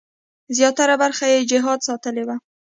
زیاتره برخه یې جهاد ساتلې وه.